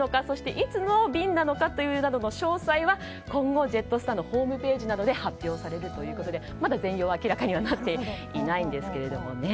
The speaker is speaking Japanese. そして、いつの便なのかという詳細は今後、ジェットスターのホームページなどで発表されるということでまだ全容は明らかになっていないんですが。